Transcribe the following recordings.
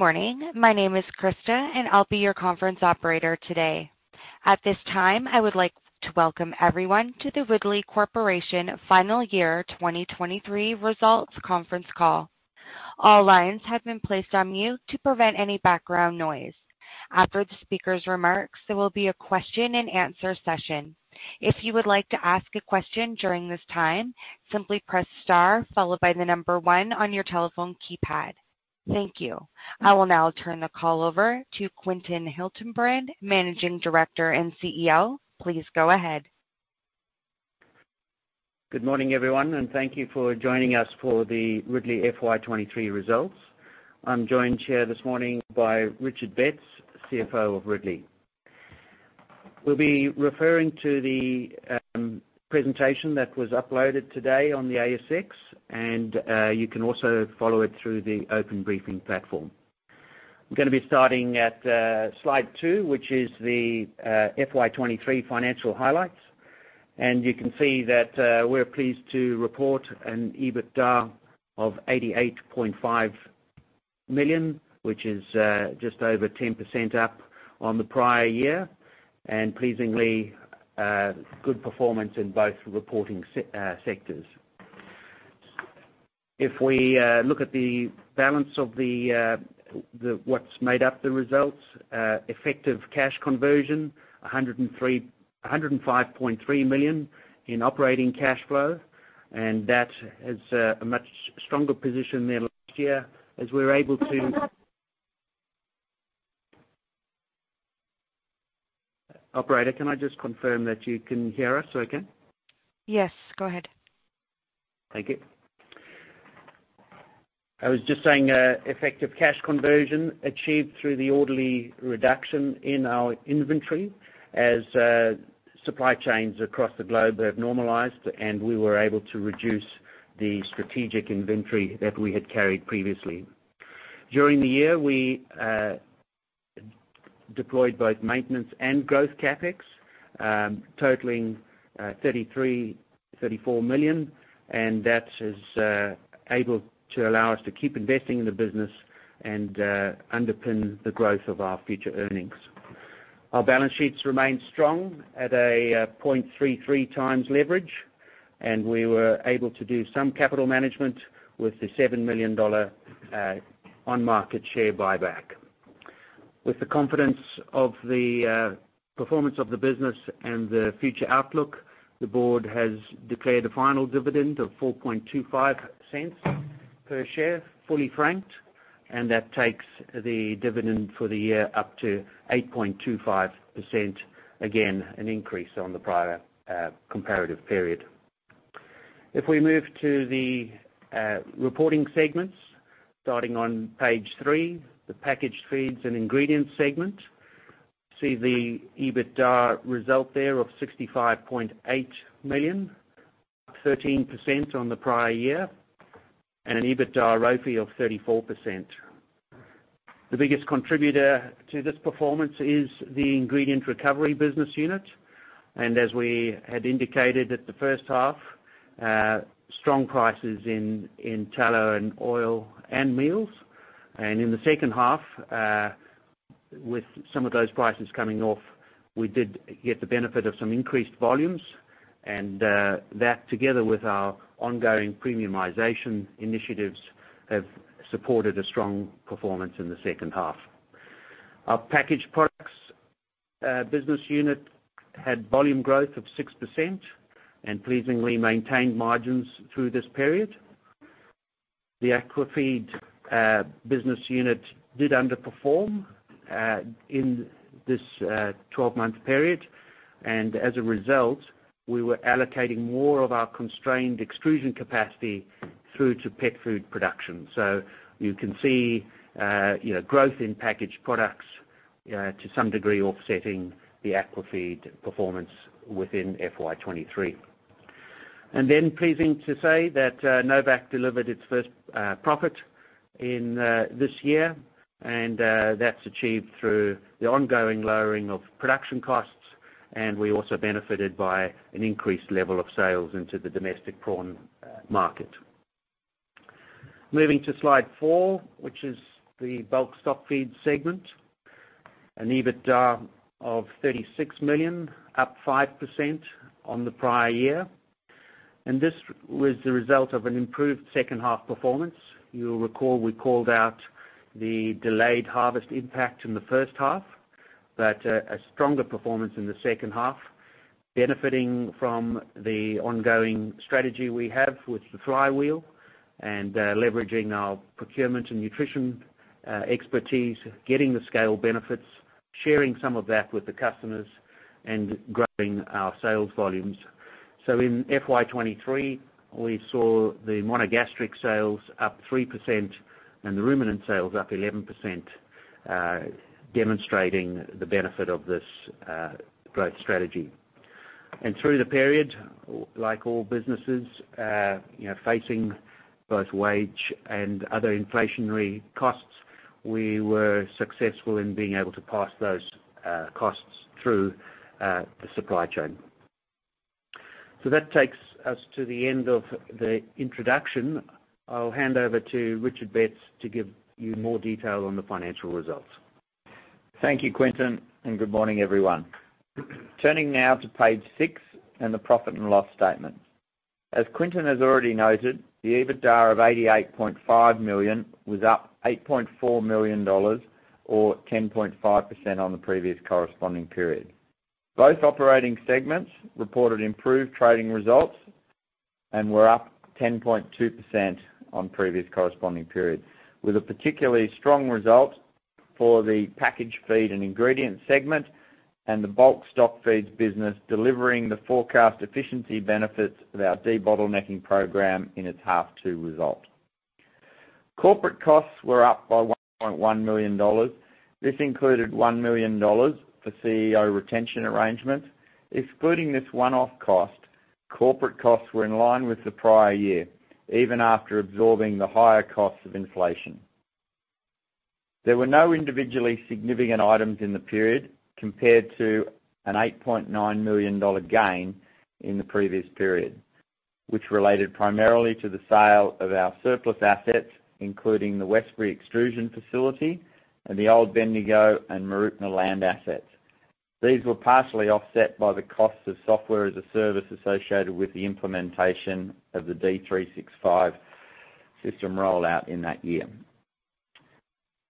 Good morning. My name is Krista, and I'll be your conference operator today. At this time, I would like to welcome everyone to the Ridley Corporation Final Year 2023 Results conference call. All lines have been placed on mute to prevent any background noise. After the speaker's remarks, there will be a question and answer session. If you would like to ask a question during this time, simply press star, followed by one on your telephone keypad. Thank you. I will now turn the call over to Quinton Hildebrand, Managing Director and CEO. Please go ahead. Good morning, everyone, and thank you for joining us for the Ridley FY 2023 results. I'm joined here this morning by Richard Betts, CFO of Ridley. We'll be referring to the presentation that was uploaded today on the ASX, and you can also follow it through the Open Briefing platform. I'm gonna be starting at slide two, which is the FY 2023 financial highlights. You can see that we're pleased to report an EBITDA of 88.5 million, which is just over 10% up on the prior year, and pleasingly, good performance in both reporting sectors. If we look at the balance of the, what's made up the results, effective cash conversion, 105.3 million in operating cash flow. That is a much stronger position than last year, as we're able to... Operator, can I just confirm that you can hear us okay? Yes, go ahead. Thank you. I was just saying, effective cash conversion achieved through the orderly reduction in our inventory as supply chains across the globe have normalized, and we were able to reduce the strategic inventory that we had carried previously. During the year, we deployed both maintenance and growth CapEx, totaling 33 million-34 million, and that is able to allow us to keep investing in the business and underpin the growth of our future earnings. Our balance sheets remain strong at a 0.33x leverage, and we were able to do some capital management with the 7 million dollar on-market share buyback. With the confidence of the performance of the business and the future outlook, the board has declared a final dividend of 0.0425 per share, fully franked, and that takes the dividend for the year up to 8.25%. Again, an increase on the prior comparative period. If we move to the reporting segments, starting on page three, the packaged feeds and ingredients segment, see the EBITDA result there of 65.8 million, 13% on the prior year, and an EBITDA ROCE of 34%. The biggest contributor to this performance is the ingredient recovery business unit, and as we had indicated at the first half, strong prices in tallow and oil and meals. In the second half, with some of those prices coming off, we did get the benefit of some increased volumes, and that, together with our ongoing premiumization initiatives, have supported a strong performance in the second half. Our packaged products business unit had volume growth of 6% and pleasingly maintained margins through this period. The aquafeed business unit did underperform in this 12-month period, and as a result, we were allocating more of our constrained extrusion capacity through to pet food production. You can see, you know, growth in packaged products, to some degree, offsetting the aquafeed performance within FY 2023. Then pleasing to say that Novacq delivered its first profit in this year, and that's achieved through the ongoing lowering of production costs, and we also benefited by an increased level of sales into the domestic prawn market. Moving to slide four, which is the bulk stock feed segment, an EBITDA of $36 million, up 5% on the prior year, and this was the result of an improved second half performance. You'll recall we called out the delayed harvest impact in the first half, but a stronger performance in the second half, benefiting from the ongoing strategy we have with the flywheel and leveraging our procurement and nutrition expertise, getting the scale benefits, sharing some of that with the customers, and growing our sales volumes. In FY 2023, we saw the monogastric sales up 3% and the ruminant sales up 11%, demonstrating the benefit of this growth strategy. Through the period, like all businesses, you know, facing both wage and other inflationary costs, we were successful in being able to pass those costs through the supply chain. That takes us to the end of the introduction. I'll hand over to Richard Betts to give you more detail on the financial results. Thank you, Quinton. Good morning, everyone. Turning now to page six and the profit and loss statement. As Quinton has already noted, the EBITDA of 88.5 million was up 8.4 million dollars, or 10.5% on the previous corresponding period. Both operating segments reported improved trading results and were up 10.2% on previous corresponding periods, with a particularly strong result for the packaged feed and ingredient segment, and the bulk stock feeds business, delivering the forecast efficiency benefits of our debottlenecking program in its half two result. Corporate costs were up by 1.1 million dollars. This included 1 million dollars for CEO retention arrangements. Excluding this one-off cost, corporate costs were in line with the prior year, even after absorbing the higher costs of inflation. There were no individually significant items in the period, compared to an 8.9 million dollar gain in the previous period, which related primarily to the sale of our surplus assets, including the Westbury extrusion facility and the old Bendigo and Mooroopna land assets. These were partially offset by the cost of Software as a Service associated with the implementation of the Dynamics 365 system rollout in that year.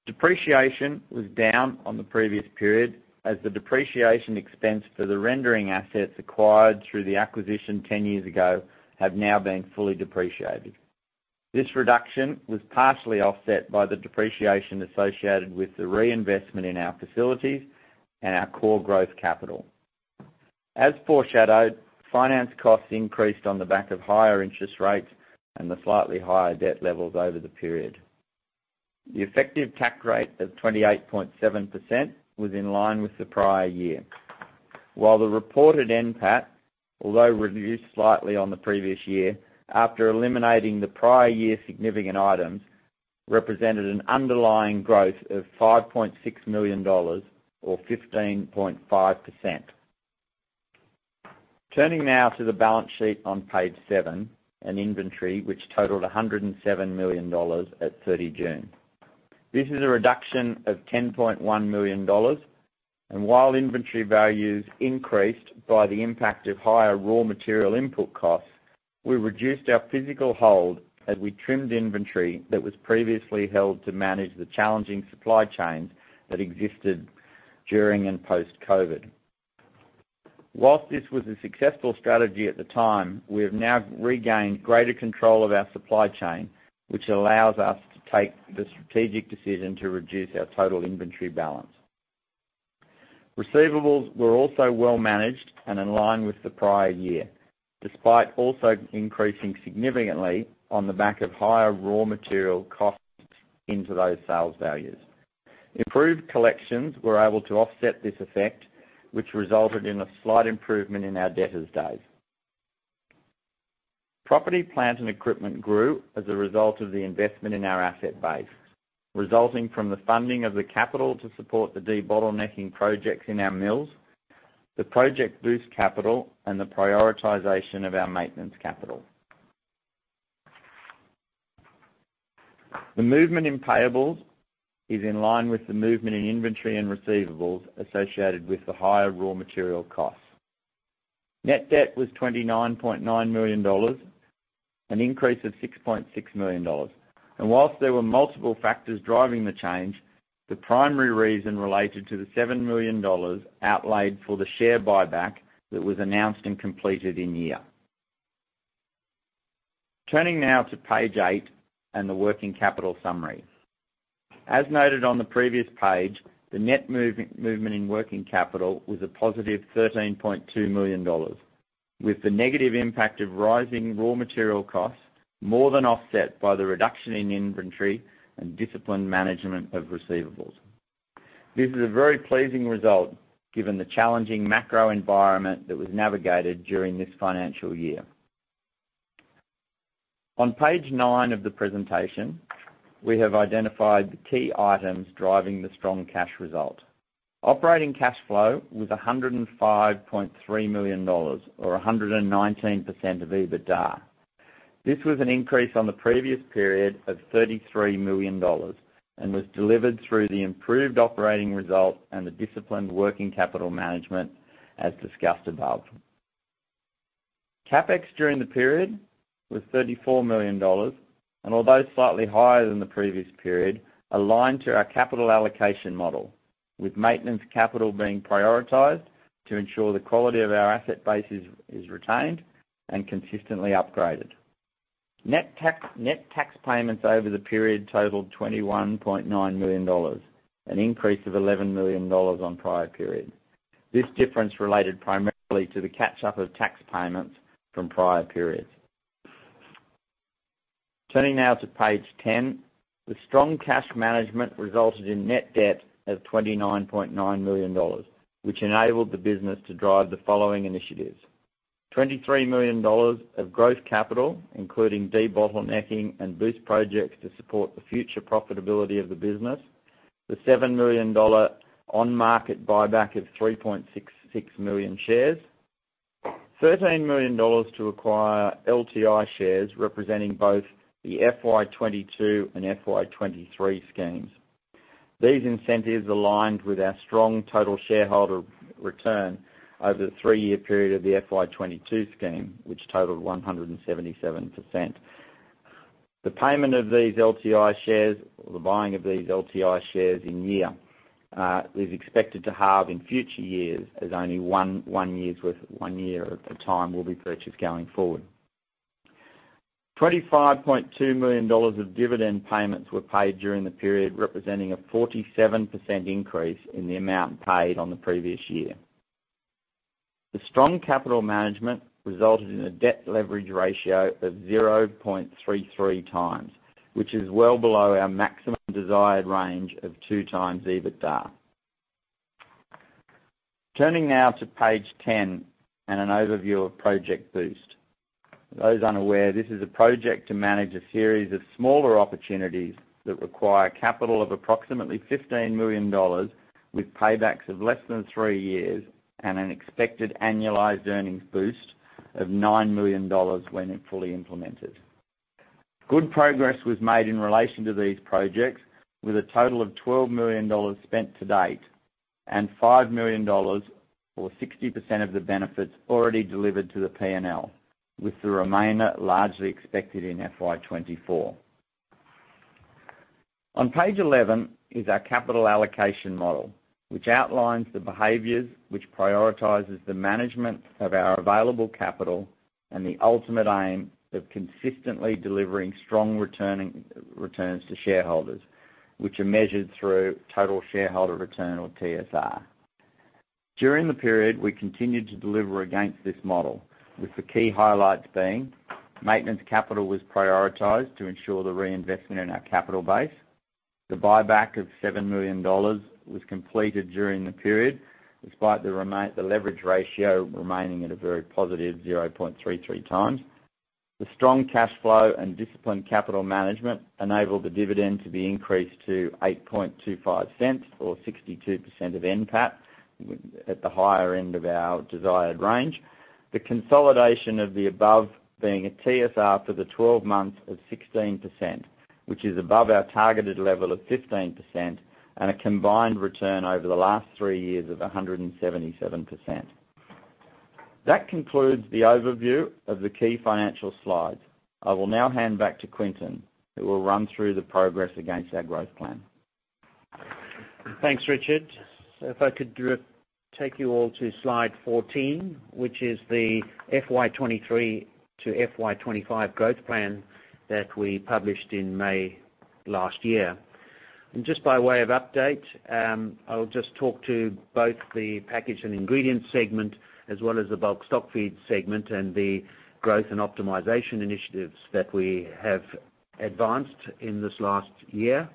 Depreciation was down on the previous period, as the depreciation expense for the rendering assets acquired through the acquisition 10 years ago, have now been fully depreciated. This reduction was partially offset by the depreciation associated with the reinvestment in our facilities and our core growth capital. As foreshadowed, finance costs increased on the back of higher interest rates and the slightly higher debt levels over the period. The effective tax rate of 28.7% was in line with the prior year. While the reported NPAT, although reduced slightly on the previous year, after eliminating the prior year's significant items, represented an underlying growth of 5.6 million dollars or 15.5%. Turning now to the balance sheet on page seven, and inventory, which totaled 107 million dollars at 30 June. This is a reduction of 10.1 million dollars, and while inventory values increased by the impact of higher raw material input costs, we reduced our physical hold as we trimmed inventory that was previously held to manage the challenging supply chains that existed during and post-COVID. Whilst this was a successful strategy at the time, we have now regained greater control of our supply chain, which allows us to take the strategic decision to reduce our total inventory balance. Receivables were also well managed and in line with the prior year, despite also increasing significantly on the back of higher raw material costs into those sales values. Improved collections were able to offset this effect, which resulted in a slight improvement in our debtors' days. Property, plant, and equipment grew as a result of the investment in our asset base, resulting from the funding of the capital to support the debottlenecking projects in our mills, the Project Boost capital, and the prioritization of our maintenance capital. The movement in payables is in line with the movement in inventory and receivables associated with the higher raw material costs. Net debt was 29.9 million dollars, an increase of 6.6 million dollars. Whilst there were multiple factors driving the change, the primary reason related to the 7 million dollars outlaid for the share buyback that was announced and completed in year. Turning now to page eight and the working capital summary. As noted on the previous page, the net movement in working capital was a positive AUD 13.2 million, with the negative impact of rising raw material costs more than offset by the reduction in inventory and disciplined management of receivables. This is a very pleasing result, given the challenging macro environment that was navigated during this financial year. On page nine of the presentation, we have identified the key items driving the strong cash result. Operating cash flow was 105.3 million dollars, or 119% of EBITDA. This was an increase on the previous period of 33 million dollars, was delivered through the improved operating results and the disciplined working capital management, as discussed above. CapEx during the period was 34 million dollars, although slightly higher than the previous period, aligned to our capital allocation model, with maintenance capital being prioritized to ensure the quality of our asset base is retained and consistently upgraded. Net tax payments over the period totaled 21.9 million dollars, an increase of 11 million dollars on prior periods. This difference related primarily to the catch-up of tax payments from prior periods. Turning now to page 10. The strong cash management resulted in net debt of 29.9 million dollars, which enabled the business to drive the following initiatives: 23 million dollars of growth capital, including debottlenecking and boost projects to support the future profitability of the business. 7 million dollar on-market buyback of 3.66 million shares. 13 million dollars to acquire LTI shares, representing both the FY 2022 and FY 2023 schemes. These incentives aligned with our strong total shareholder return over the three-year period of the FY 2022 scheme, which totaled 177%. The payment of these LTI shares or the buying of these LTI shares in year is expected to halve in future years, as only one year's worth, one year at a time will be purchased going forward. 25.2 million dollars of dividend payments were paid during the period, representing a 47% increase in the amount paid on the previous year. The strong capital management resulted in a debt leverage ratio of 0.33x, which is well below our maximum desired range of 2x EBITDA. Turning now to page 10 and an overview of Project Boost. For those unaware, this is a project to manage a series of smaller opportunities that require capital of approximately 15 million dollars, with paybacks of less than three years and an expected annualized earnings boost of 9 million dollars when it fully implemented. Good progress was made in relation to these projects, with a total of 12 million dollars spent to date and 5 million dollars, or 60% of the benefits, already delivered to the P&L, with the remainder largely expected in FY 2024. On page 11 is our capital allocation model, which outlines the behaviors which prioritizes the management of our available capital and the ultimate aim of consistently delivering strong returning, returns to shareholders, which are measured through total shareholder return or TSR. During the period, we continued to deliver against this model, with the key highlights being: maintenance capital was prioritized to ensure the reinvestment in our capital base. The buyback of 7 million dollars was completed during the period, despite the leverage ratio remaining at a very positive 0.33x. The strong cash flow and disciplined capital management enabled the dividend to be increased to 0.0825, or 62% of NPAT, at the higher end of our desired range. The consolidation of the above being a TSR for the 12 months of 16%, which is above our targeted level of 15%, and a combined return over the last three years of 177%. That concludes the overview of the key financial slides. I will now hand back to Quinton, who will run through the progress against our growth plan. Thanks, Richard. If I could take you all to slide 14, which is the FY 2023 to FY 2025 growth plan that we published in May last year. Just by way of update, I'll just talk to both the packaged and ingredient segment, as well as the bulk stock feed segment, and the growth and optimization initiatives that we have advanced in this last year.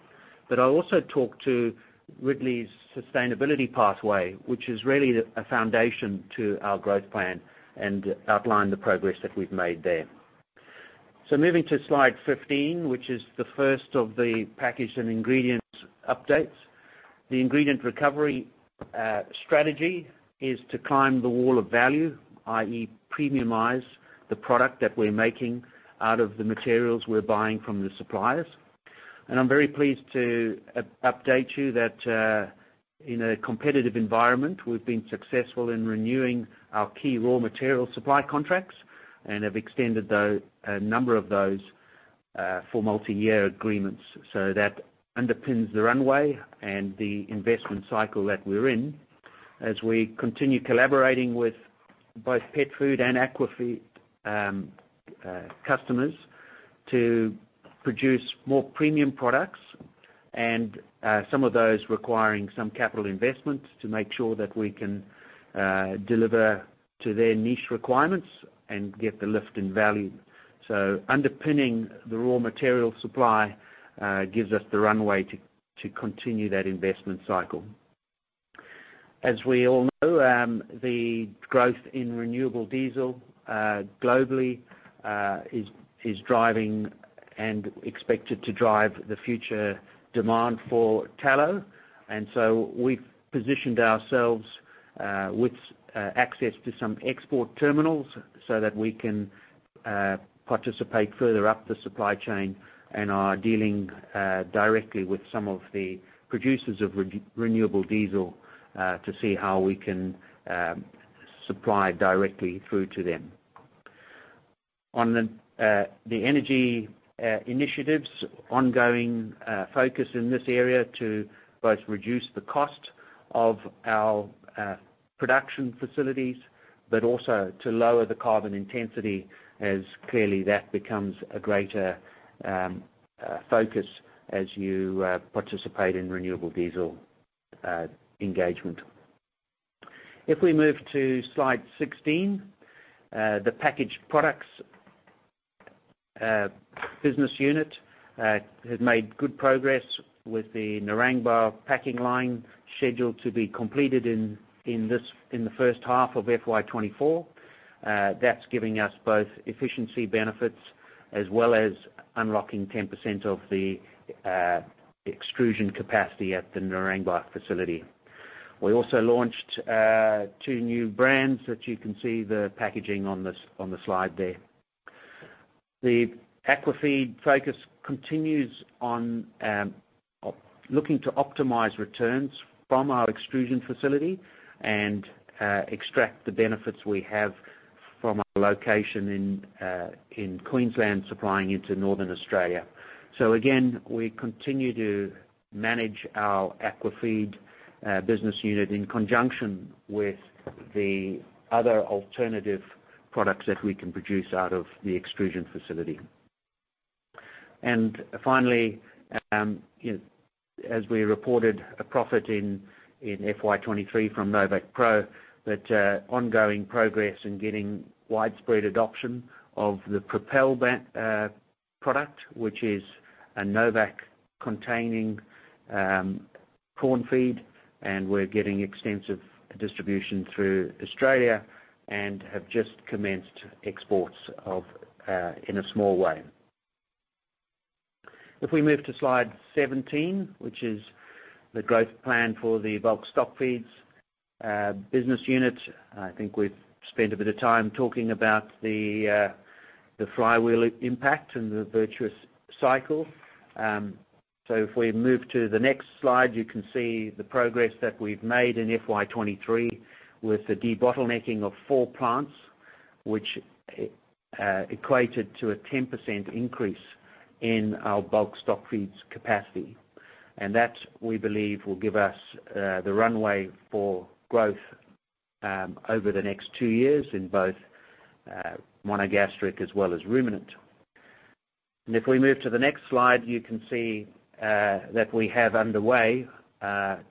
I'll also talk to Ridley's sustainability pathway, which is really a foundation to our growth plan, and outline the progress that we've made there. Moving to slide 15, which is the first of the packaged and ingredients updates. The ingredient recovery strategy is to climb the wall of value, i.e., premiumize the product that we're making out of the materials we're buying from the suppliers. I'm very pleased to update you that, in a competitive environment, we've been successful in renewing our key raw material supply contracts and have extended those, a number of those, for multi-year agreements. That underpins the runway and the investment cycle that we're in as we continue collaborating with both pet food and aquafeed customers to produce more premium products, and, some of those requiring some capital investment to make sure that we can deliver to their niche requirements and get the lift in value. Underpinning the raw material supply gives us the runway to continue that investment cycle. As we all know, the growth in renewable diesel globally is driving and expected to drive the future demand for tallow. So we've positioned ourselves, with access to some export terminals so that we can participate further up the supply chain and are dealing directly with some of the producers of renewable diesel, to see how we can supply directly through to them. On the energy initiatives, ongoing focus in this area to both reduce the cost of our production facilities, but also to lower the carbon intensity, as clearly that becomes a greater focus as you participate in renewable diesel engagement. We move to slide 16, the packaged products business unit has made good progress with the Narangba packing line, scheduled to be completed in, in this, in the first half of FY 2024. That's giving us both efficiency benefits-... as well as unlocking 10% of the extrusion capacity at the Narangba facility. We also launched two new brands that you can see the packaging on the slide there. The aquafeed focus continues on looking to optimize returns from our extrusion facility and extract the benefits we have from our location in Queensland, supplying into Northern Australia. Again, we continue to manage our aquafeed business unit in conjunction with the other alternative products that we can produce out of the extrusion facility. Finally, as we reported a profit in FY 2023 from NovaqPro, that ongoing progress in getting widespread adoption of the Propel product, which is a Novacq containing prawn feed, and we're getting extensive distribution through Australia and have just commenced exports in a small way. If we move to slide 17, which is the growth plan for the Bulk Stockfeeds business unit, I think we've spent a bit of time talking about the flywheel impact and the virtuous cycle. If we move to the next slide, you can see the progress that we've made in FY 2023 with the debottlenecking of four plants, which equated to a 10% increase in our bulk stockfeeds capacity. That, we believe, will give us the runway for growth over the next two years in both monogastric as well as ruminant. If we move to the next slide, you can see that we have underway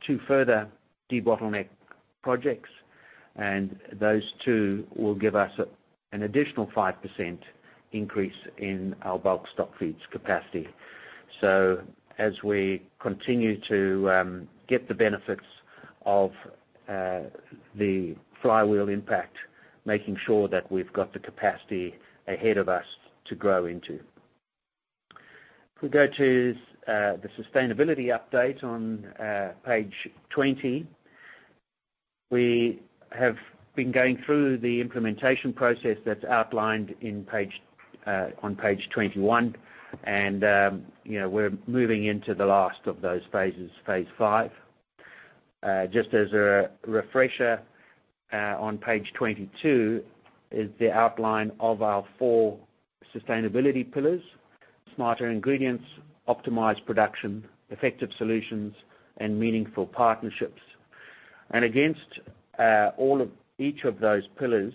two further debottleneck projects, and those two will give us an additional 5% increase in our bulk stockfeeds capacity. As we continue to get the benefits of the flywheel impact, making sure that we've got the capacity ahead of us to grow into. We go to the sustainability update on page 20. We have been going through the implementation process that's outlined in page on page 21, and, you know, we're moving into the last of those phases, phase V. Just as a refresher, on page 22 is the outline of our four sustainability pillars: smarter ingredients, optimized production, effective solutions, and meaningful partnerships. Against all of each of those pillars,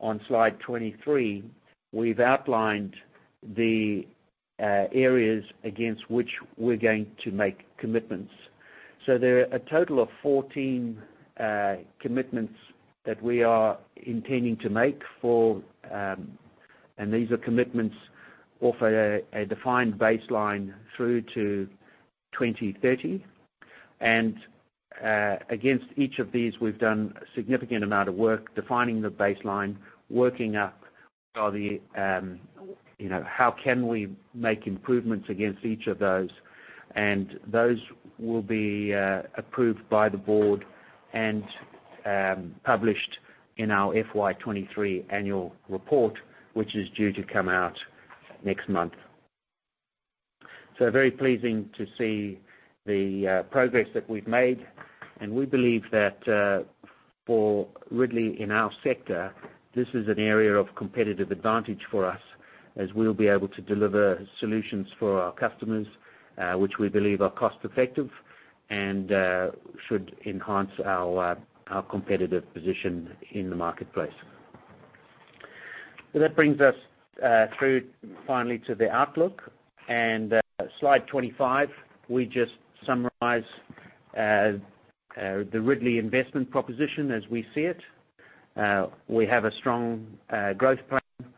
on slide 23, we've outlined the areas against which we're going to make commitments. There are a total of 14 commitments that we are intending to make for, and these are commitments off a defined baseline through to 2030. Against each of these, we've done a significant amount of work defining the baseline, working up are the, you know, how can we make improvements against each of those? Those will be approved by the board and published in our FY 2023 annual report, which is due to come out next month. Very pleasing to see the progress that we've made, and we believe that for Ridley in our sector, this is an area of competitive advantage for us, as we'll be able to deliver solutions for our customers, which we believe are cost-effective and should enhance our competitive position in the marketplace. That brings us through finally to the outlook and slide 25, we just summarize the Ridley investment proposition as we see it. We have a strong growth plan,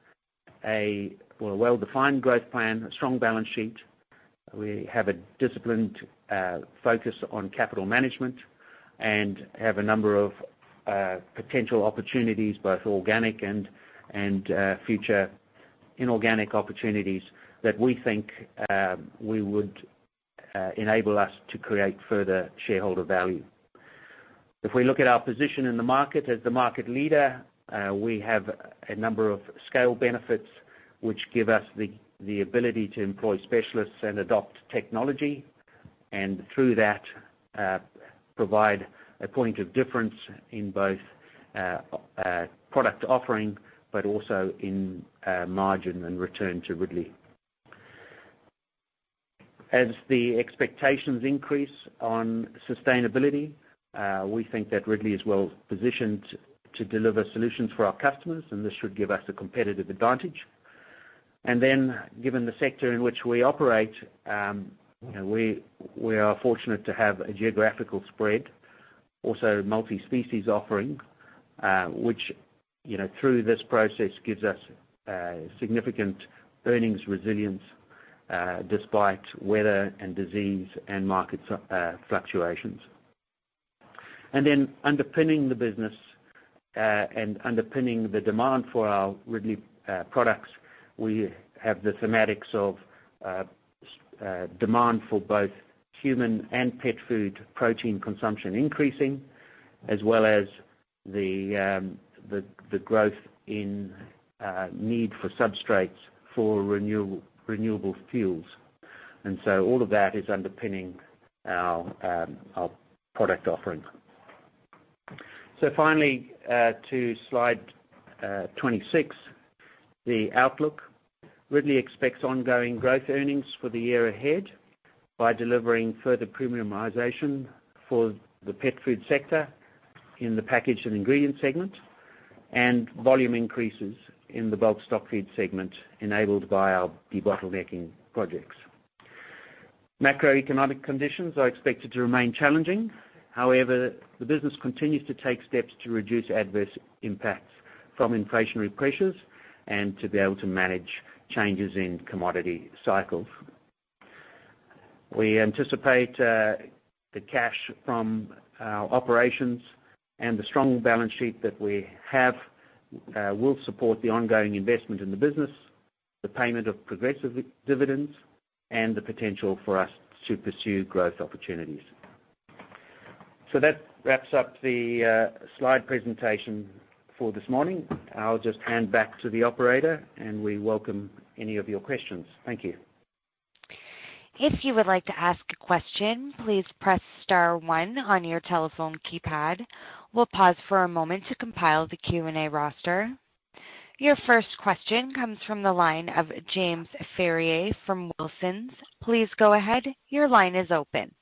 a, well, a well-defined growth plan, a strong balance sheet. We have a disciplined focus on capital management and have a number of potential opportunities, both organic and future inorganic opportunities, that we think we would enable us to create further shareholder value. If we look at our position in the market as the market leader, we have a number of scale benefits which give us the ability to employ specialists and adopt technology, and through that, provide a point of difference in both product offering, but also in margin and return to Ridley. As the expectations increase on sustainability, we think that Ridley is well positioned to deliver solutions for our customers, and this should give us a competitive advantage. Given the sector in which we operate, we, we are fortunate to have a geographical spread, also a multi-species offering, which, you know, through this process, gives us significant earnings resilience, despite weather and disease and market fluctuations. Underpinning the business, and underpinning the demand for our Ridley products, we have the thematics of demand for both human and pet food protein consumption increasing, as well as the, the growth in need for substrates for renewable fuels. All of that is underpinning our product offering. Finally, to slide 26, the outlook. Ridley expects ongoing growth earnings for the year ahead by delivering further premiumization for the pet food sector in the packaged and ingredient segment, and volume increases in the bulk stock feed segment, enabled by our debottlenecking projects. Macroeconomic conditions are expected to remain challenging. However, the business continues to take steps to reduce adverse impacts from inflationary pressures and to be able to manage changes in commodity cycles. We anticipate the cash from our operations and the strong balance sheet that we have will support the ongoing investment in the business, the payment of progressive dividends, and the potential for us to pursue growth opportunities. That wraps up the slide presentation for this morning. I'll just hand back to the operator, and we welcome any of your questions. Thank you. If you would like to ask a question, please press star one on your telephone keypad. We'll pause for a moment to compile the Q&A roster. Your first question comes from the line of James Ferrier from Wilsons. Please go ahead. Your line is open.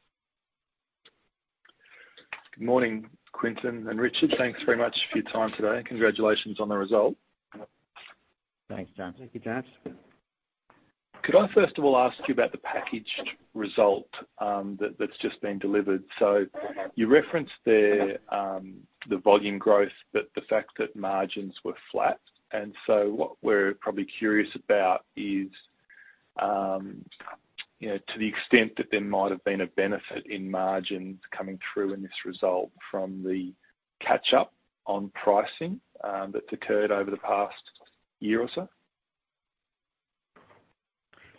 Good morning, Quinton and Richard. Thanks very much for your time today, and congratulations on the result. Thanks, James. Thank you, James. Could I, first of all, ask you about the packaged result, that's just been delivered? You referenced the, the volume growth, but the fact that margins were flat. What we're probably curious about is, you know, to the extent that there might have been a benefit in margins coming through in this result from the catch-up on pricing, that's occurred over the past year or so.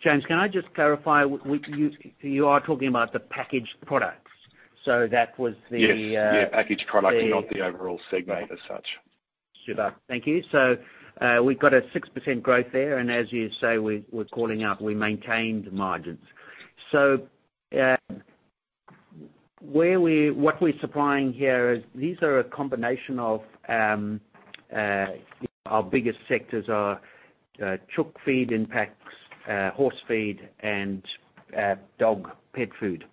James, can I just clarify you, you are talking about the packaged products? that was the, Yes. Yeah, packaged product- The- not the overall segment as such. Thank you. We've got a 6% growth there, and as you say, we're, we're calling out, we maintained margins. Where what we're supplying here is these are a combination of our biggest sectors are chook feed in packs, horse feed, and dog, pet food.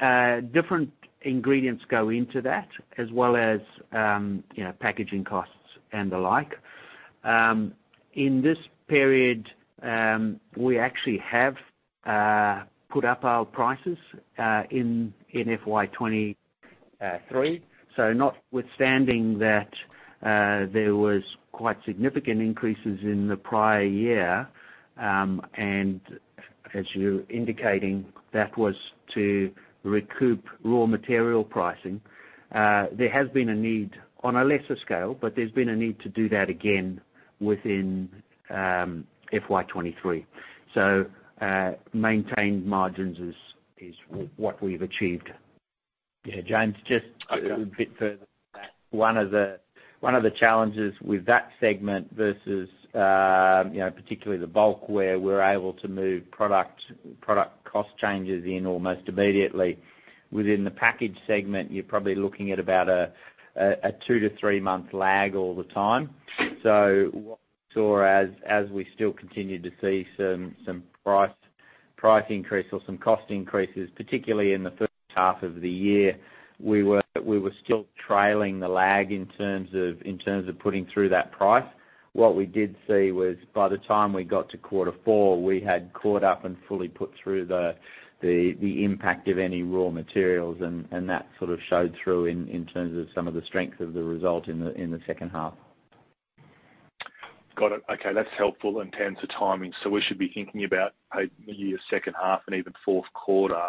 Different ingredients go into that, as well as, you know, packaging costs and the like. In this period, we actually have put up our prices in FY 2023. Notwithstanding that, there was quite significant increases in the prior year, and as you're indicating, that was to recoup raw material pricing, there has been a need, on a lesser scale, but there's been a need to do that again within FY 2023. Maintained margins is, is what we've achieved. Yeah, James, just- Okay... a bit further than that. One of the, one of the challenges with that segment versus, you know, particularly the bulk, where we're able to move product, product cost changes in almost immediately. Within the packaged segment, you're probably looking at about a two to three-month lag all the time. What we saw as, as we still continued to see some, some price, price increases or some cost increases, particularly in the first half of the year, we were, we were still trailing the lag in terms of, in terms of putting through that price. What we did see was by the time we got to quarter four, we had caught up and fully put through the, the, the impact of any raw materials, and, and that sort of showed through in, in terms of some of the strength of the result in the, in the second half. Got it. Okay, that's helpful in terms of timing. We should be thinking about the year's second half and even fourth quarter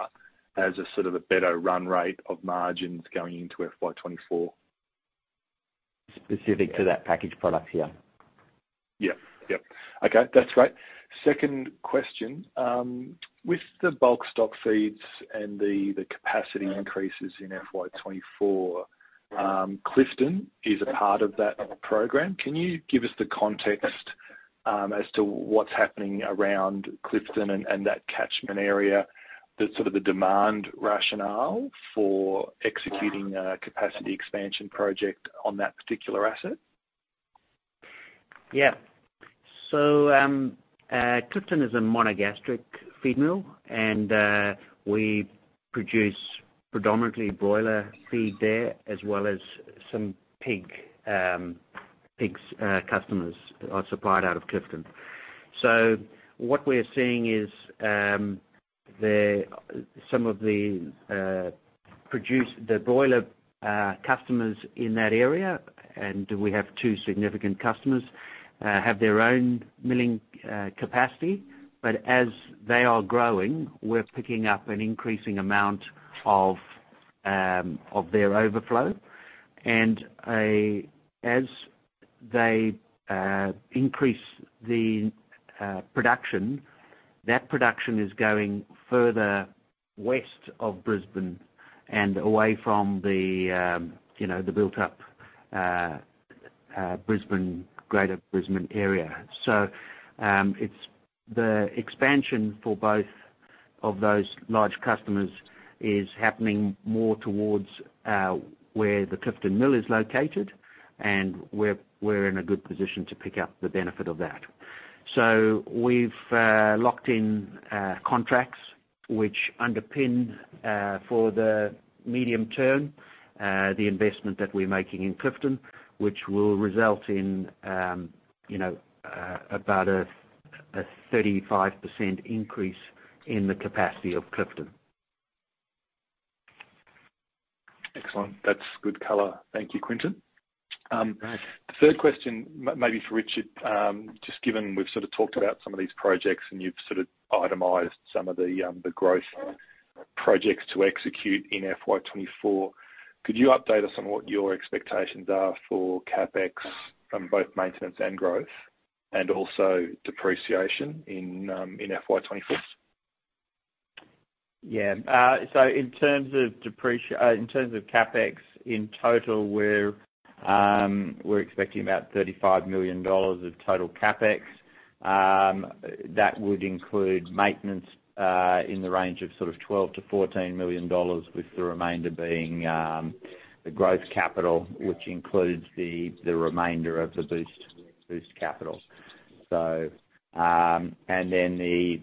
as a sort of a better run rate of margins going into FY 2024. Specific to that packaged product, yeah. Yeah. Yep. Okay, that's great. Second question: With the bulk stock feeds and the, the capacity increases in FY 2024, Clifton is a part of that program. Can you give us the context as to what's happening around Clifton and, and that catchment area, the sort of the demand rationale for executing a capacity expansion project on that particular asset? Yeah. Clifton is a monogastric feed mill, and we produce predominantly broiler feed there, as well as some pig, pigs, customers are supplied out of Clifton. What we're seeing is, the, some of the, produce, the broiler, customers in that area, and we have two significant customers... have their own milling, capacity, but as they are growing, we're picking up an increasing amount of, of their overflow. As they, increase the, production, that production is going further west of Brisbane and away from the, you know, the built up, Brisbane, Greater Brisbane area. It's the expansion for both of those large customers is happening more towards, where the Clifton Mill is located, and we're in a good position to pick up the benefit of that. We've locked in contracts which underpin for the medium term the investment that we're making in Clifton, which will result in, you know, about a 35% increase in the capacity of Clifton. Excellent. That's good color. Thank you, Quinton. All right. The third question, maybe for Richard, just given we've sort of talked about some of these projects, and you've sort of itemized some of the growth projects to execute in FY 2024. Could you update us on what your expectations are for CapEx, on both maintenance and growth, and also depreciation in FY 2024? Yeah. In terms of CapEx, in total we're expecting about 35 million dollars of total CapEx. That would include maintenance in the range of sort of 12 million-14 million dollars, with the remainder being the growth capital, which includes the, the remainder of the boost, boost capital. The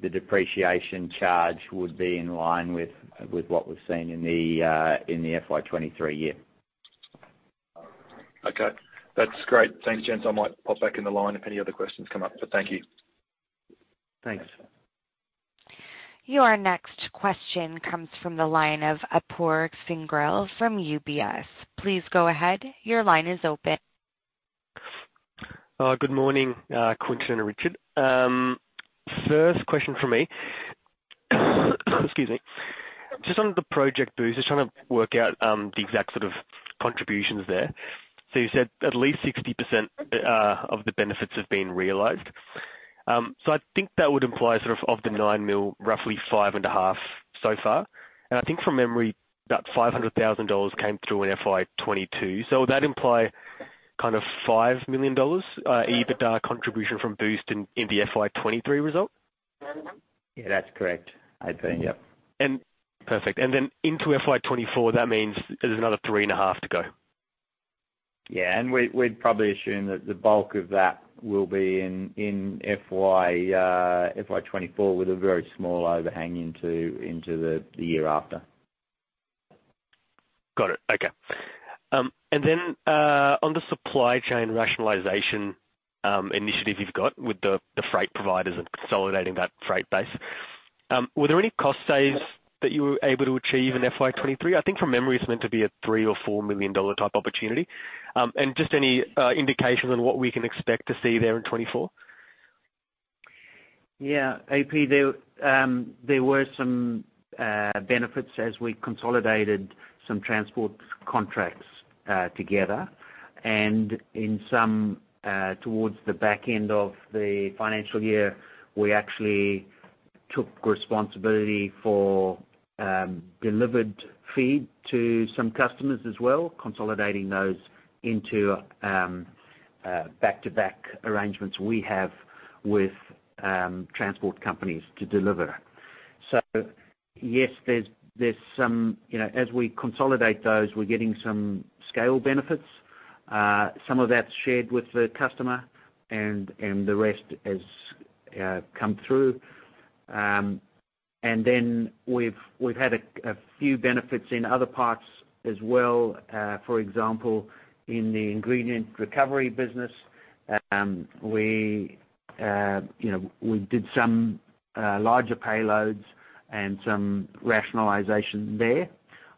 depreciation charge would be in line with, with what we've seen in the FY 2023 year. Okay, that's great. Thanks, gents. I might pop back in the line if any other questions come up, but thank you. Thanks. Your next question comes from the line of Apoorv Sehgal from UBS. Please go ahead. Your line is open. Good morning, Quinton and Richard. First question from me, excuse me. Just on the Project Boost, just trying to work out the exact sort of contributions there. You said at least 60% of the benefits have been realized. I think that would imply sort of, of the 9 million, roughly 5.5 million so far. I think from memory, that 500,000 dollars came through in FY 2022. Would that imply kind of 5 million dollars EBITDA contribution from Boost in the FY 2023 result? Yeah, that's correct, I'd say. Yep. Perfect. And then into FY 2024, that means there's another 3.5 to go? Yeah, we, we'd probably assume that the bulk of that will be in, in FY, FY 2024, with a very small overhang into, into the, the year after. Got it. Okay. Then, on the supply chain rationalization, initiative you've got with the, the freight providers and consolidating that freight base, were there any cost saves that you were able to achieve in FY 2023? I think from memory, it's meant to be a 3 million-4 million dollar type opportunity. Just any indication on what we can expect to see there in 2024? Yeah, AP, there were some benefits as we consolidated some transport contracts together. In some, towards the back end of the financial year, we actually took responsibility for delivered feed to some customers as well, consolidating those into back-to-back arrangements we have with transport companies to deliver. Yes, there's, there's you know, as we consolidate those, we're getting some scale benefits. Some of that's shared with the customer, and the rest has come through. Then we've had a few benefits in other parts as well. For example, in the ingredient recovery business, we, you know, we did some larger payloads and some rationalization there.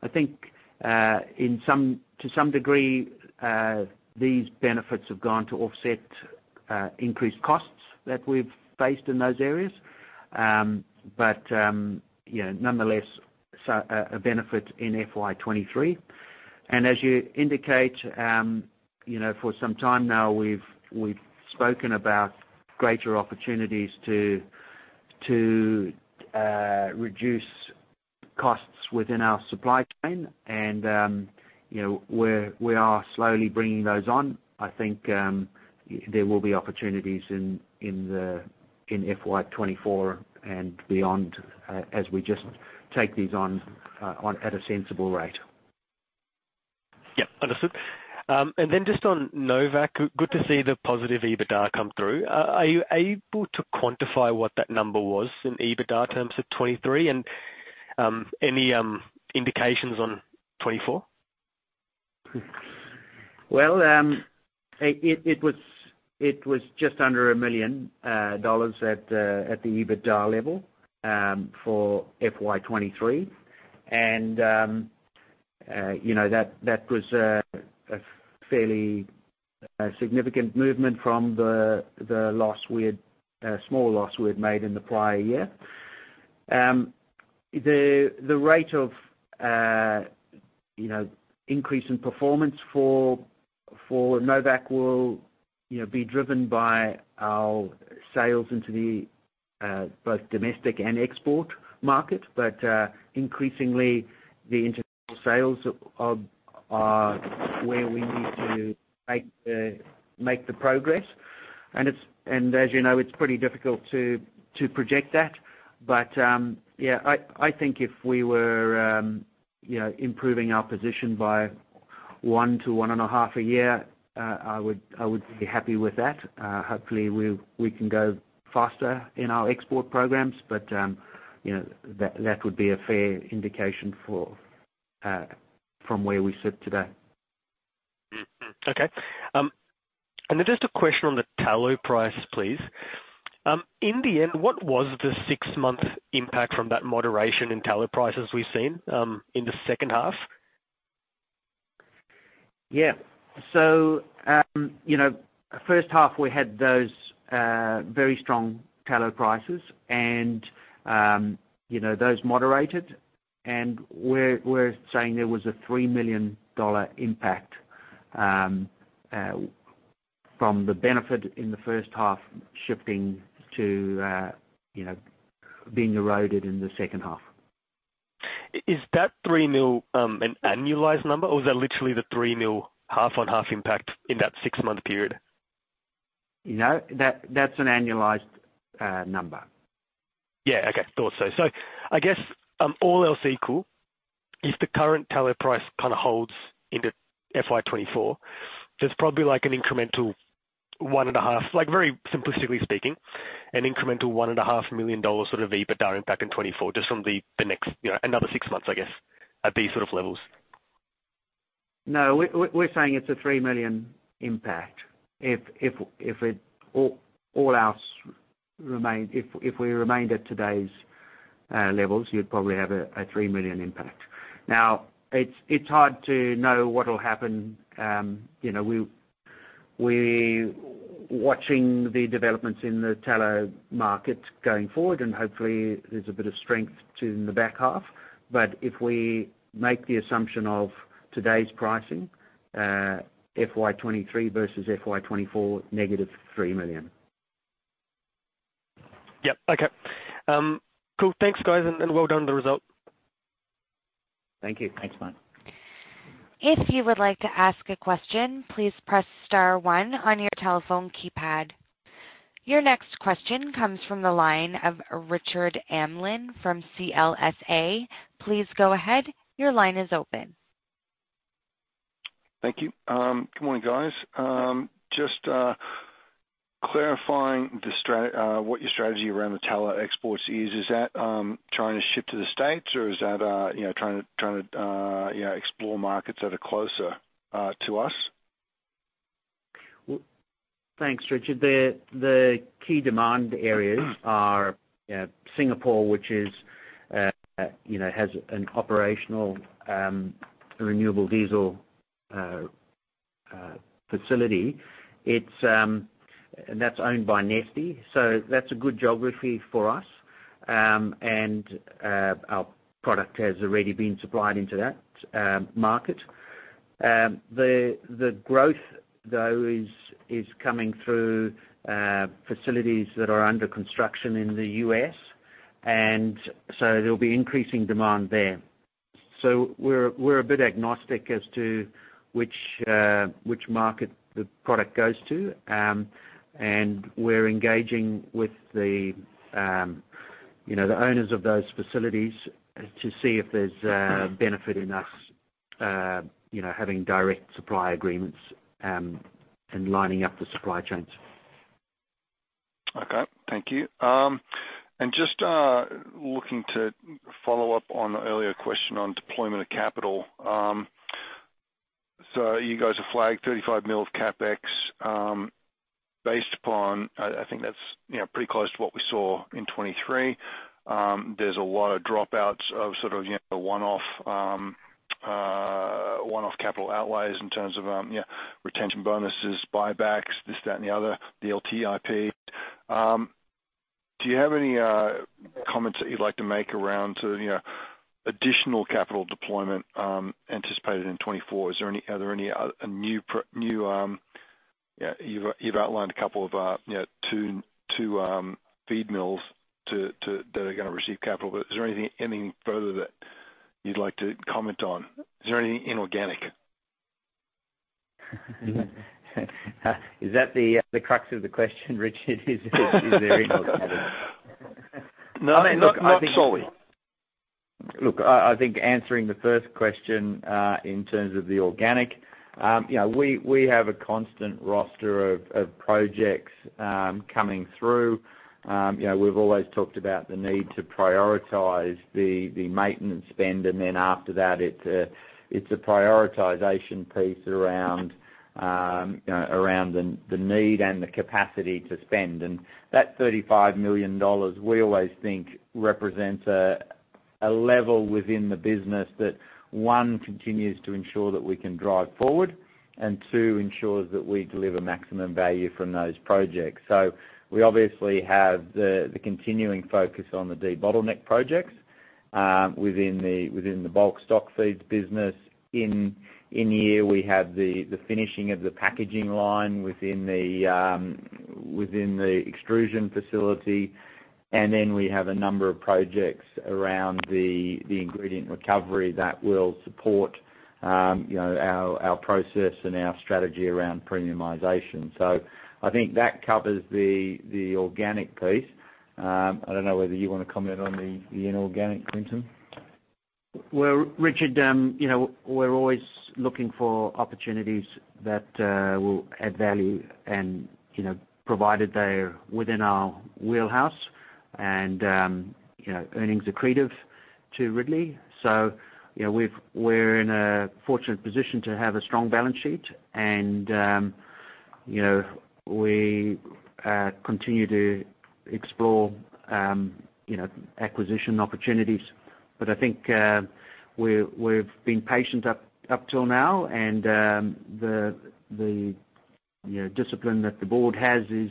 I think, in some, to some degree, these benefits have gone to offset increased costs that we've faced in those areas. You know, nonetheless, so, a benefit in FY 2023. As you indicate, you know, for some time now, we've, we've spoken about greater opportunities to, to reduce costs within our supply chain, and, you know, we are slowly bringing those on. I think, there will be opportunities in FY 2024 and beyond, as we just take these on, on at a sensible rate. Yep, understood. Then just on Novacq, good to see the positive EBITDA come through. Are you able to quantify what that number was in EBITDA terms of 2023? Any indications on 2024? Well, it was just under 1 million dollars at the EBITDA level for FY 2023. You know, that was a fairly significant movement from the small loss we had made in the prior year. The rate of, you know, increase in performance for Novacq will, you know, be driven by our sales into the both domestic and export market. Increasingly, the international sales are where we need to make the progress. As you know, it's pretty difficult to project that. Yeah, I think if we were, you know, improving our position by one to one and a half a year, I would be happy with that. hopefully, we, we can go faster in our export programs, but, you know, that, that would be a fair indication for from where we sit today. Mm-hmm. Okay. Then just a question on the tallow price, please. In the end, what was the six-month impact from that moderation in tallow prices we've seen, in the second half? Yeah. You know, first half, we had those very strong tallow prices, and, you know, those moderated, and we're, we're saying there was a $3 million impact from the benefit in the first half, shifting to, you know, being eroded in the second half. Is that 3 million an annualized number, or is that literally the 3 million, half-on-half impact in that six-month period? No, that, that's an annualized number. Yeah. Okay. Thought so. I guess, all else equal, if the current tallow price kinda holds into FY 2024, there's probably like an incremental 1.5 million, like, very simplistically speaking, an incremental 1.5 million dollars sort of EBITDA impact in 2024, just from the, the next, you know, another six months, I guess, at these sort of levels. No, we're saying it's a 3 million impact. If it all, all else remain... If we remained at today's levels, you'd probably have a 3 million impact. Now, it's hard to know what'll happen. You know, we watching the developments in the tallow market going forward, and hopefully there's a bit of strength to the back half. But if we make the assumption of today's pricing, FY 2023 versus FY 2024, negative 3 million. Yep. Okay. Cool. Thanks, guys. And well done with the result. Thank you. Thanks, Ap. If you would like to ask a question, please press star one on your telephone keypad. Your next question comes from the line of Richard Barwick from CLSA. Please go ahead. Your line is open. Thank you. Good morning, guys. Just clarifying what your strategy around the tallow exports is. Is that trying to ship to the U.S., or is that, you know, trying to, trying to, you know, explore markets that are closer to us? Thanks, Richard. The key demand areas are Singapore, which is, you know, has an operational renewable diesel facility. It's, that's owned by Neste, so that's a good geography for us. Our product has already been supplied into that market. The growth, though, is coming through facilities that are under construction in the U.S., so there'll be increasing demand there. We're a bit agnostic as to which market the product goes to. We're engaging with the, you know, the owners of those facilities to see if there's benefit in us, you know, having direct supply agreements, and lining up the supply chains. Okay. Thank you. Just looking to follow up on an earlier question on deployment of capital. You guys have flagged 35 million of CapEx, based upon, I, I think that's, you know, pretty close to what we saw in 2023. There's a lot of dropouts of sort of, you know, one-off, one-off capital outlays in terms of, you know, retention bonuses, buybacks, this, that, and the other, the LTIP. Do you have any comments that you'd like to make around to, you know, additional capital deployment, anticipated in 2024? Are there any new. Yeah, you've, you've outlined a couple of, you know, two, two feed mills that are gonna receive capital, but is there anything, anything further that you'd like to comment on? Is there any inorganic? Is that the crux of the question, Richard? Is there inorganic? No, not, not solely. Look, I, I think answering the first question, in terms of the organic, you know, we, we have a constant roster of, of projects, coming through. You know, we've always talked about the need to prioritize the, the maintenance spend, and then after that, it, it's a prioritization piece around, you know, around the, the need and the capacity to spend. That 35 million dollars, we always think, represents a level within the business that, one, continues to ensure that we can drive forward, and two, ensures that we deliver maximum value from those projects. We obviously have the, the continuing focus on the debottleneck projects, within the, within the bulk stock feeds business. In here, we have the, the finishing of the packaging line within the, within the extrusion facility. Then we have a number of projects around the, the ingredient recovery that will support, you know, our, our process and our strategy around premiumization. I think that covers the, the organic piece. I don't know whether you wanna comment on the inorganic, Quinton? Well, Richard, you know, we're always looking for opportunities that will add value and, you know, provided they're within our wheelhouse and, you know, earnings accretive to Ridley. You know, we've- we're in a fortunate position to have a strong balance sheet, and, you know, we continue to explore, you know, acquisition opportunities. I think, we're, we've been patient up, up till now, and, the, the, you know, discipline that the board has is,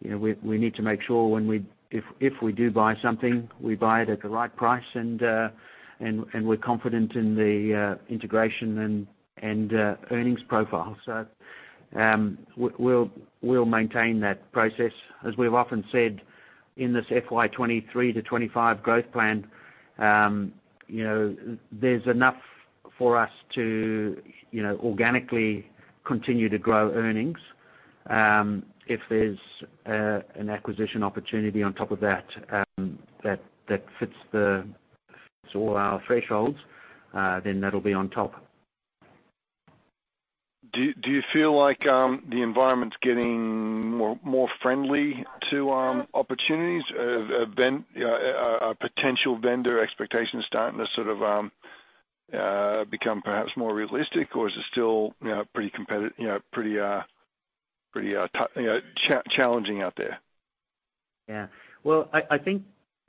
you know, we, we need to make sure when we-- if, if we do buy something, we buy it at the right price, and, and, and we're confident in the, integration and, and, earnings profile. We- we'll, we'll maintain that process. As we've often said, in this FY 2023 to 2025 growth plan, you know, there's enough for us to, you know, organically continue to grow earnings. If there's an acquisition opportunity on top of that, that, that fits the, fits all our thresholds, that'll be on top. Do you feel like the environment's getting more friendly to opportunities, potential vendor expectations starting to sort of become perhaps more realistic, or is it still, you know, pretty competitive, you know, pretty, pretty challenging out there? Yeah. Well, I, I think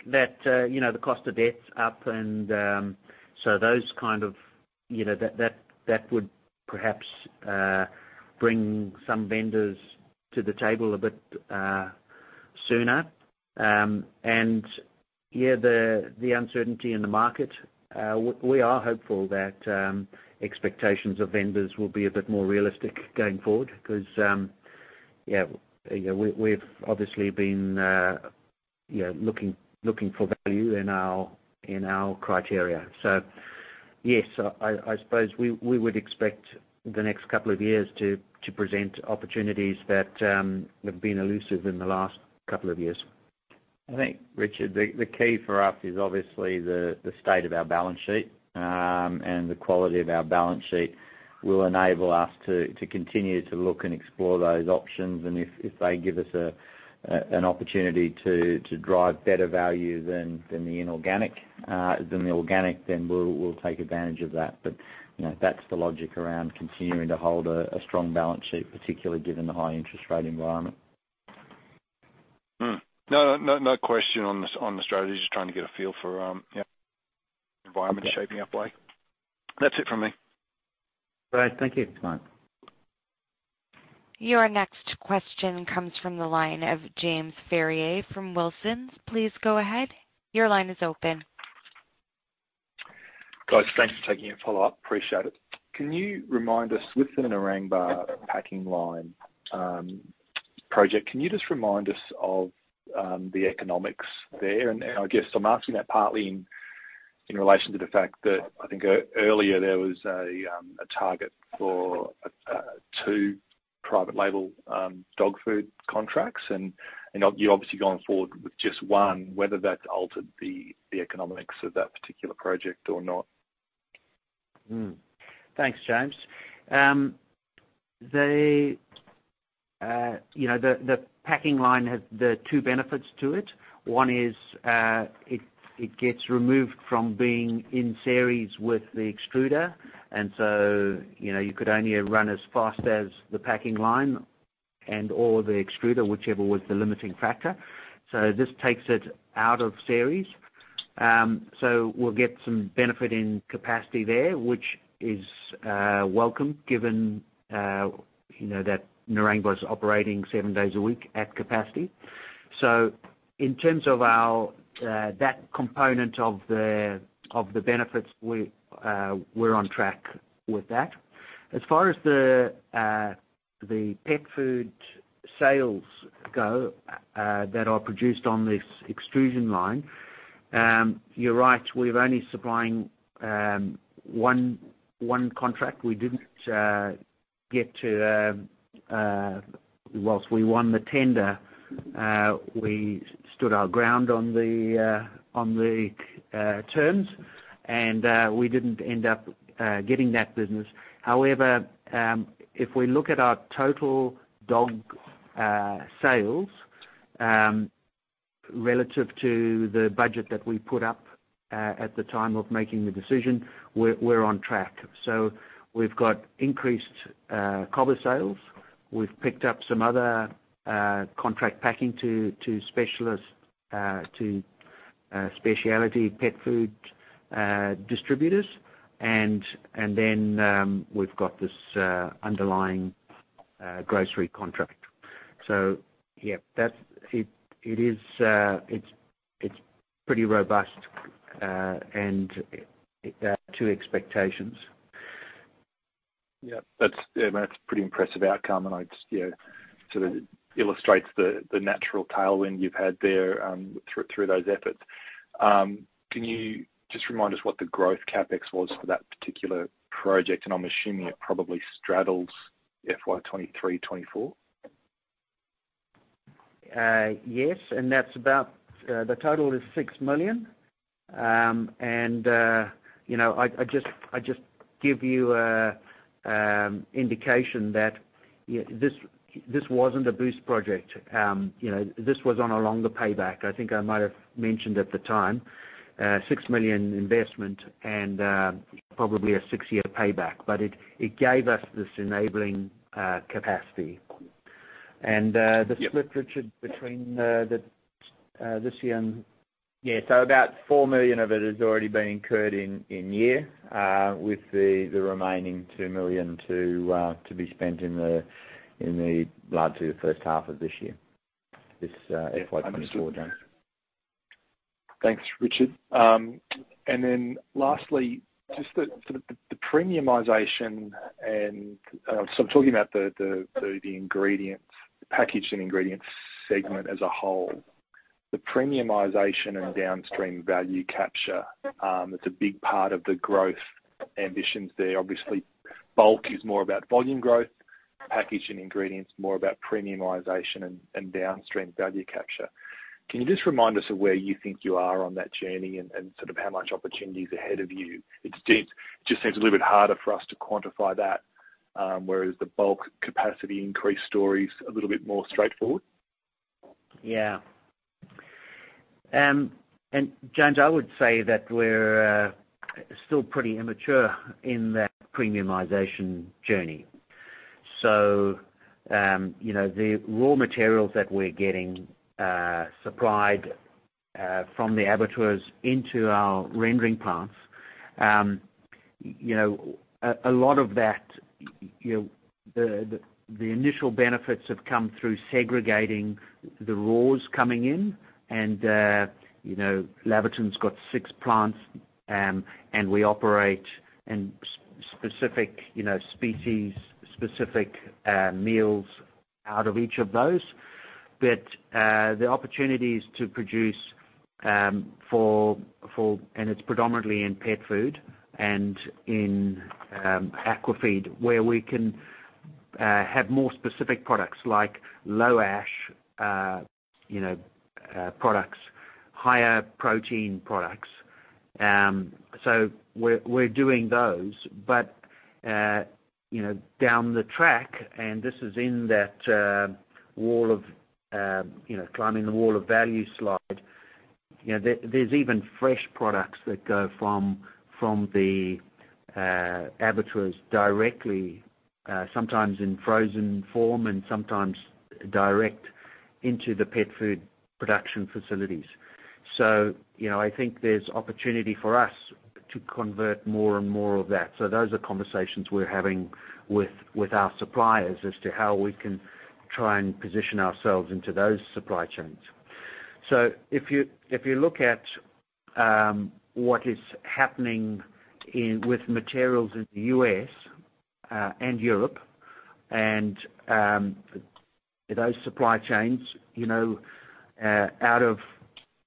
that, you know, the cost of debt's up and, so those kind of, you know, that, that, that would perhaps, bring some vendors to the table a bit, sooner. Yeah, the uncertainty in the market, we are hopeful that expectations of vendors will be a bit more realistic going forward because, yeah, you know, we've obviously been, you know, looking, looking for value in our, in our criteria. Yes, I, I suppose we, we would expect the next couple of years to, to present opportunities that, have been elusive in the last couple of years. I think, Richard, the, the key for us is obviously the, the state of our balance sheet, and the quality of our balance sheet will enable us to, to continue to look and explore those options. If, if they give us an opportunity to, to drive better value than, than the inorganic, than the organic, then we'll, we'll take advantage of that. You know, that's the logic around continuing to hold a, a strong balance sheet, particularly given the high interest rate environment. No, no, no question on the, on the strategy. Just trying to get a feel for, you know, environment shaping up like. That's it for me. All right. Thank you. Thanks a lot. Your next question comes from the line of James Ferrier from Wilsons. Please go ahead. Your line is open. Guys, thanks for taking a follow-up. Appreciate it. Can you remind us, with the Narangba packing line, project, can you just remind us of the economics there? I guess I'm asking that partly in relation to the fact that I think earlier, there was a target for two private label dog food contracts. You're obviously going forward with just one, whether that's altered the economics of that particular project or not? Thanks, James. You know, the, the packing line has the two benefits to it. One is, it, it gets removed from being in series with the extruder, and so, you know, you could only run as fast as the packing line or the extruder, whichever was the limiting factor. This takes it out of series. We'll get some benefit in capacity there, which is welcome, given, you know, that Narangba is operating seven days a week at capacity. In terms of our, that component of the, of the benefits, we, we're on track with that. As far as the, the pet food sales go, that are produced on this extrusion line, you're right, we're only supplying, one, one contract. We didn't get to. whilst we won the tender, we stood our ground on the terms, and we didn't end up getting that business. However, if we look at our total dog sales, relative to the budget that we put up at the time of making the decision, we're on track. We've got increased cover sales-... We've picked up some other contract packing to specialist, to specialty pet food distributors. We've got this underlying grocery contract. Yeah, that's it, it is, it's pretty robust, and to expectations. Yeah, that's, yeah, that's a pretty impressive outcome. I just, yeah, sort of illustrates the, the natural tailwind you've had there, through, through those efforts. Can you just remind us what the growth CapEx was for that particular project? I'm assuming it probably straddles FY 2023, 2024. Yes, that's about, the total is 6 million. You know, I, I just, I just give you a indication that this, this wasn't a Project Boost. You know, this was on a longer payback. I think I might have mentioned at the time, 6 million investment and probably a six-year payback. It, it gave us this enabling capacity. Yeah... the split, Richard, between, the, this year. Yeah. About 4 million of it has already been incurred in, in year, with the remaining 2 million to be spent in the latter to the first half of this year. This FY 2024 journey. Thanks, Richard. Then lastly, sort of the premiumization and, so I'm talking about the ingredients, the packaged and ingredients segment as a whole. The premiumization and downstream value capture, it's a big part of the growth ambitions there. Obviously, bulk is more about volume growth, packaged and ingredients, more about premiumization and downstream value capture. Can you just remind us of where you think you are on that journey and sort of how much opportunity is ahead of you? It's just seems a little bit harder for us to quantify that, whereas the bulk capacity increase story's a little bit more straightforward. Yeah. James, I would say that we're still pretty immature in that premiumization journey. You know, the raw materials that we're getting supplied from the abattoirs into our rendering plants, you know, a lot of that, you know, the, the, the initial benefits have come through segregating the raws coming in. You know, Laverton's got six plants, and we operate in specific, you know, species, specific meals out of each of those. The opportunities to produce for... It's predominantly in pet food and in aquafeed, where we can have more specific products like low ash, you know, products, higher protein products. We're, we're doing those. You know, down the track, and this is in that, wall of, you know, climbing the wall of value slide, you know, there, there's even fresh products that go from, from the, abattoirs directly, sometimes in frozen form, and sometimes direct into the pet food production facilities. You know, I think there's opportunity for us to convert more and more of that. Those are conversations we're having with, with our suppliers as to how we can try and position ourselves into those supply chains. If you, if you look at, what is happening in, with materials in the U.S., and Europe, and, those supply chains, you know, out of...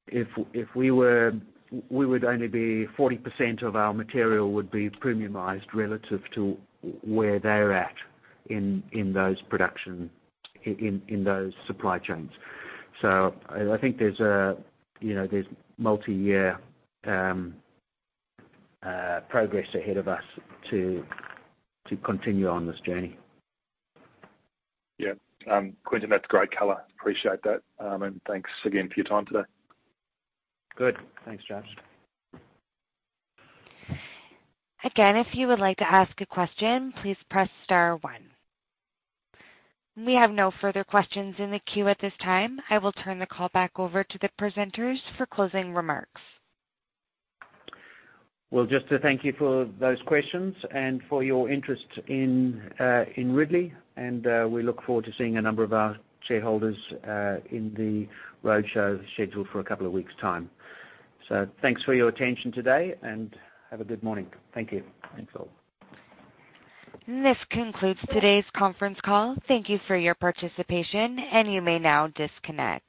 If, if we were, we would only be 40% of our material would be premiumized relative to where they're at in those production, in those supply chains. I, I think there's a, you know, there's multiyear progress ahead of us to, to continue on this journey. Yeah. Quinton, that's great color. Appreciate that. Thanks again for your time today. Good. Thanks, James. Again, if you would like to ask a question, please press star one. We have no further questions in the queue at this time. I will turn the call back over to the presenters for closing remarks. Well, just to thank you for those questions and for your interest in Ridley, and we look forward to seeing a number of our shareholders in the roadshow scheduled for a couple of weeks' time. Thanks for your attention today, and have a good morning. Thank you. Thanks, all. This concludes today's conference call. Thank you for your participation, and you may now disconnect.